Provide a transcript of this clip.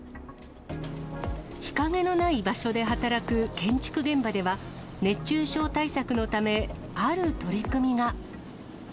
日陰のない場所で働く建築現場では、熱中症対策のため、ある取り組みが。